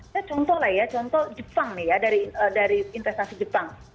saya contoh lah ya contoh jepang nih ya dari investasi jepang